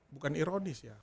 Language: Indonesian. bukan ironis ya